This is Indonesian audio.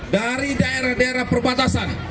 dari daerah daerah perbatasan